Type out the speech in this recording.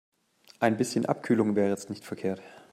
Ein bisschen Abkühlung wäre jetzt nicht verkehrt.